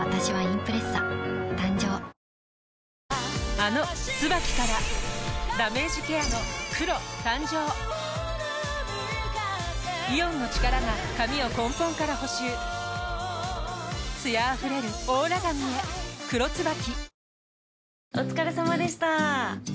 あの「ＴＳＵＢＡＫＩ」からダメージケアの黒誕生イオンの力が髪を根本から補修艶あふれるオーラ髪へ「黒ＴＳＵＢＡＫＩ」